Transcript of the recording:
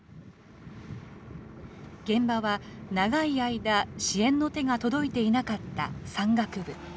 現場は、長い間、支援の手が届いていなかった山岳部。